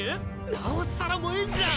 なおさら燃えんじゃん！